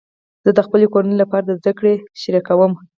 زه د خپلې کورنۍ لپاره زده کړه شریکوم.